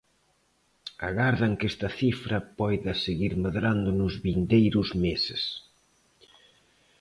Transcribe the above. Agardan que esta cifra poida seguir medrando nos vindeiros meses.